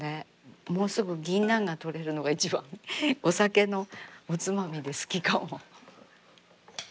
もうすぐ銀杏がとれるのが一番お酒のおつまみで好きかも。